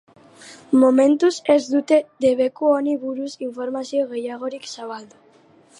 Momentuz, ez dute debeku honi buruzko informazio gehiagorik zabaldu.